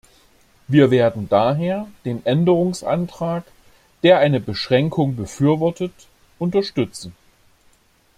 Wir werden daher den Änderungsantrag, der eine Beschränkung befürwortet, unterstützen.